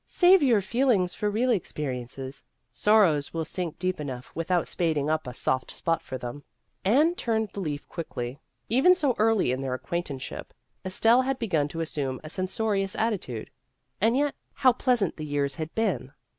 " Save your feelings for real experiences. Sorrows will sink deep enough without spading up a soft spot for them." 140 Vassar Studies Anne turned the leaf quickly. Even so early in their acquaintanceship Estelle had begun to assume a censorious attitude. And yet how pleasant the years had been